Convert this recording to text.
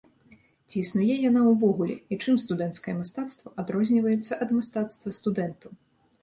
Ці існуе яна ўвогуле, і чым студэнцкае мастацтва адрозніваецца ад мастацтва студэнтаў?